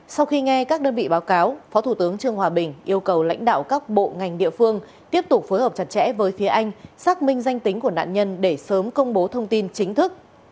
sau khi nghe các đơn vị báo cáo phó thủ tướng trương hòa bình yêu cầu lãnh đạo các bộ ngành địa phương tiếp tục phối hợp chặt chẽ với phía anh xác minh danh tính của nạn nhân để sớm công bố thông tin chính thức